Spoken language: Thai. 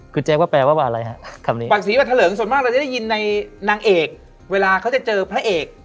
คุณแจ้ว่าแปลว่าอะไรครับบัตรสีบัตรทะเลิงส่วนมากเราจะได้ยินในนางเอกเวลาเค้าจะเจอพระเอก